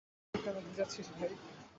তাহলে আমাদের কেন ভেজাচ্ছিস ভাই?